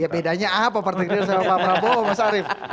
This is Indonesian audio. bedanya apa partai gerindra sama pak prabowo mas arief